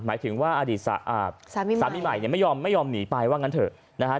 หมายถึงว่าสามีใหม่ไม่ยอมหนีไปว่างั้นเถอะ